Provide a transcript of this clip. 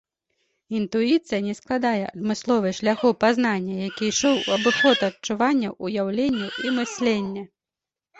Інтуіцыя не складае адмысловай шляху пазнання, які ішоў у абыход адчуванняў, уяўленняў і мыслення.